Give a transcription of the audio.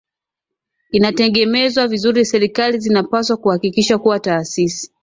inategemezwa vizuri Serikali zinapaswa kuhakikisha kuwa taasisi